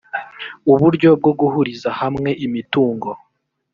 uburyo bwo guhuriza hamwe imitungo